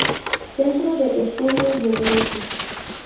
Centro de Estudios de Derecho